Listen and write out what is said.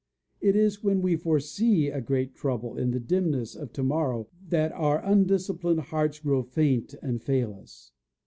It is when we foresee a great trouble in the dimness of to morrow that our undisciplined hearts grow faint and fail us.